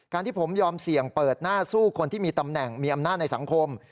ที่ผมยอมเสี่ยงเปิดหน้าสู้คนที่มีตำแหน่งมีอำนาจในสังคม